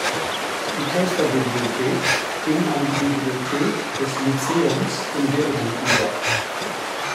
Die Klosterbibliothek ging an die Bibliothek des Lyzeums in Dillingen über.